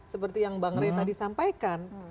seperti yang bang rey tadi sampaikan